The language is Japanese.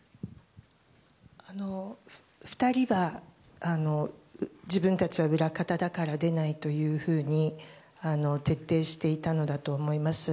２人は、自分たちは裏方だからでないというふうに徹底したのだと思います。